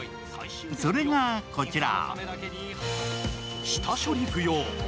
それがこちら。